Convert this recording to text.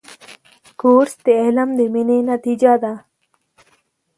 کورس د علم د مینې نتیجه ده.